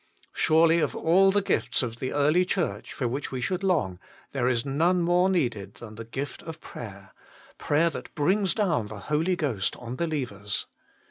Surely of all the gifts of the early Church for which we should long there is none more needed than the gift of prayer prayer that brings down the Holy Ghost on believers.